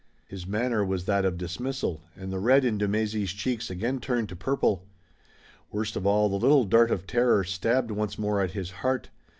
His manner was that of dismissal, and the red in de Mézy's cheeks again turned to purple. Worst of all, the little dart of terror stabbed once more at his heart.